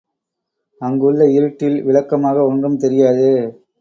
அங்குள்ள இருட்டில் விளக்கமாக ஒன்றும் தெரியாது.